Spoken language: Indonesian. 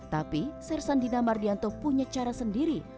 tapi sersan dina mardianto punya cara sendiri